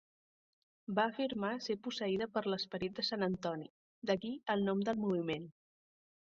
Va afirmar ser posseïda per l'esperit de Sant Antoni, d'aquí el nom del moviment.